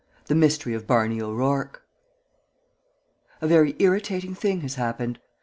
THE MYSTERY OF BARNEY O'ROURKE A very irritating thing has happened.